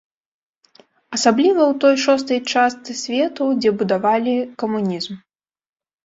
Асабліва ў той шостай часты свету, дзе будавалі камунізм.